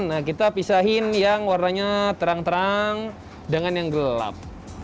nah kita pisahin yang warnanya terang terang dengan yang gelap